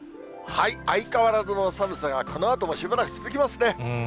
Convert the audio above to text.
相変わらずの寒さがこのあともしばらく続きますね。